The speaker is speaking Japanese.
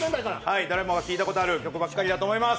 誰もが聞いたことがある曲ばっかりだと思います。